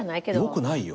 よくないよ。